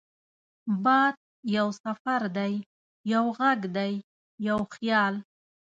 باد یو سفر دی، یو غږ دی، یو خیال